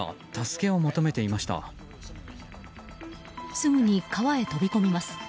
すぐに川へ飛び込みます。